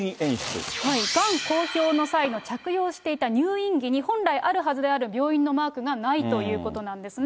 がん公表の際に着用していた入院着に、本来あるはずである病院のマークがないということなんですね。